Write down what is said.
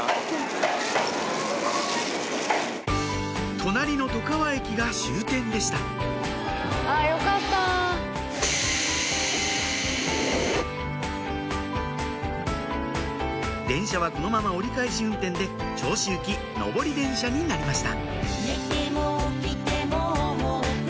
隣の外川駅が終点でした電車はこのまま折り返し運転で銚子行き上り電車になりました